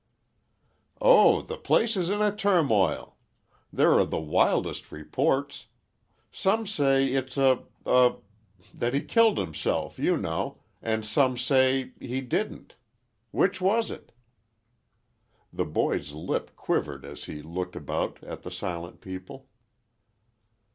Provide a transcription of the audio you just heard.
"Oh, the place is in a turmoil. There are the wildest reports. Some say it's a—a—that he killed himself, you know, and some say—he didn't. Which was it?" The boy's lip quivered as he looked about at the silent people.